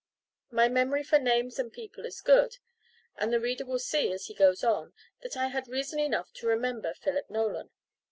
My memory for names and people is good, and the reader will see, as he goes on, that I had reason enough to remember Philip Nolan.